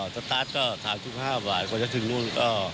สตาร์ทก็๓๕บาทกว่าจะถึงโน้นก็